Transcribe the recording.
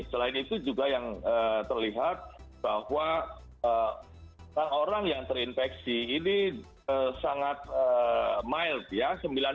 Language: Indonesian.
selain itu juga yang terlihat bahwa orang yang terinfeksi ini sangat mild ya